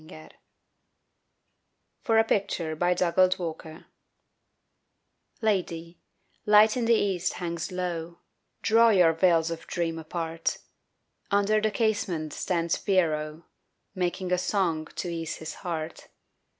PIERROT'S SONG (For a picture by Dugald Walker) LADY, light in the east hangs low, Draw your veils of dream apart, Under the casement stands Pierrot Making a song to ease his heart.